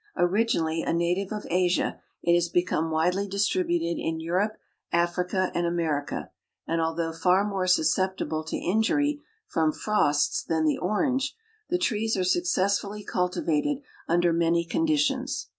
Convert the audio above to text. Originally a native of Asia, it has become widely distributed in Europe, Africa and America, and although far more susceptible to injury from frosts than the orange, the trees are successfully cultivated under many conditions.